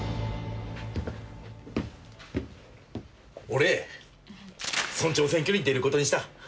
俺村長選挙に出ることにした。